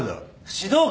指導官！